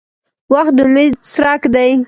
• وخت د امید څرک دی.